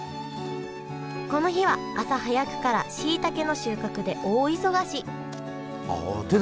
この日は朝早くからしいたけの収穫で大忙しあ手で。